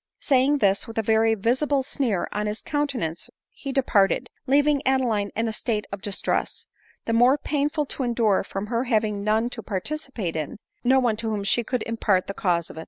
Saying this, with a very visible sneer on his countenance he departed, leaving Adeline in a state of distress— the more painful to endure from her having none to participate in it — no one to whom she could impart the cause of k.